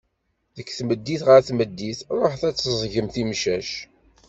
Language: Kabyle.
Deg tmeddit ɣer tmeddit, ruḥet ad teẓẓgem timcac.